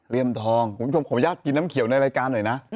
ทองคุณผู้ชมขออนุญาตกินน้ำเขียวในรายการหน่อยนะ